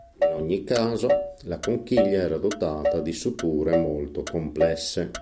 In ogni caso, la conchiglia era dotata di suture molto complesse.